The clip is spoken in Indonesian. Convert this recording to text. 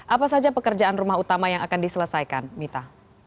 apa saja pekerjaan rumah utama yang akan diselesaikan mita